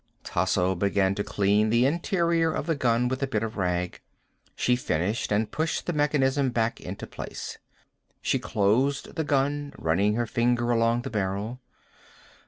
Tasso began to clean the interior of the gun with a bit of rag. She finished and pushed the mechanism back into place. She closed the gun, running her finger along the barrel.